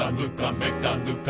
「めかぬか」